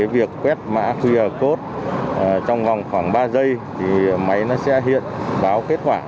việc quét mã qr code trong vòng khoảng ba giây thì máy nó sẽ hiện báo kết quả